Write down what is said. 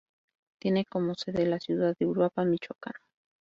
Tiene como sede la ciudad de Uruapan, Michoacán.